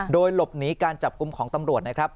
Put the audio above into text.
โดยหลบหนีการจับกลุ่มของตำรวจนะครับ